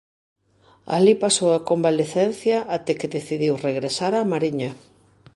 Alí pasou a convalecencia até que decidiu regresar á Mariña.